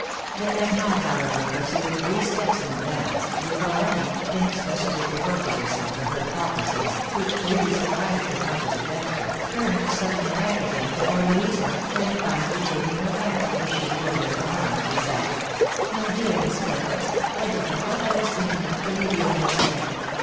They had not, however, proceeded three steps in advance, before Annie, inexpressibly provoked at herself for her thoughtless ness, which reaUy surprised as much as it vexed her, turned sud denly back again to poor Louisa, and kindly taking her hand, which she drew under her arm, she said —" My dear Miss Perkins ! I don't know what I was thinking of to leave you in this way.